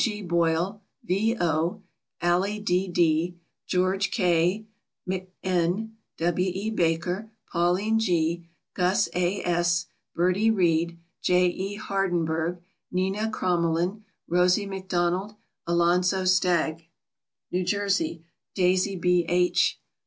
G. Boyle, V. O., Allie D. D., George K. MacN., W. E. Baker, Pauline G., Gus A. S., Bertie Reid, J. E. Hardenbergh, Nena Crommelin, Rosie Macdonald; Alonzo Stagg, New Jersey; Daisy B. H.